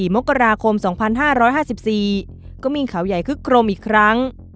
๒๔มกราคมสองพันห้าร้อยห้าสิบสี่ก็มีเขาใหญ่คึกโครมอีกครั้ง